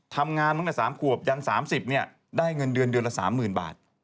ทำงานตั้งแต่๓ขวบยัน๓๐ได้เงินเดือนเดือนละ๓๐๐๐บาท